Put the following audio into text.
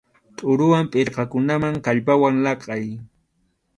Tʼuruwan pirqakunaman kallpawan laqʼay.